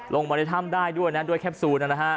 ลงมาในถ้ำได้ด้วยนะด้วยแคปซูล